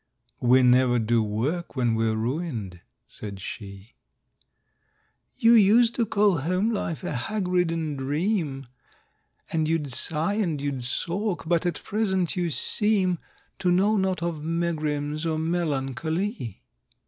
— "We never do work when we're ruined," said she. —"You used to call home life a hag ridden dream, And you'd sigh, and you'd sock; but at present you seem To know not of megrims or melancho ly!"